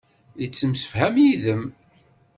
Yettemsefham yid-m.